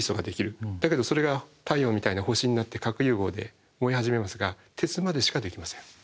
だけどそれが太陽みたいな星になって核融合で燃え始めますが鉄までしかできません。